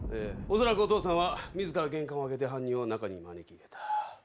恐らくお父さんは自ら玄関を開けて犯人を中に招き入れた。